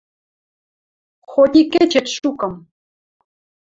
Хоть и кӹчет шукым